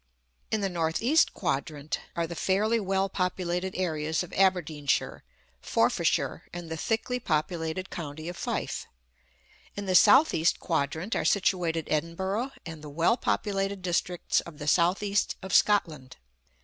In the north east quadrant are the fairly well populated areas of Aberdeenshire, Forfarshire, and the thickly populated county of Fife. In the south east quadrant are situated Edinburgh and the well populated districts of the south east of Scotland.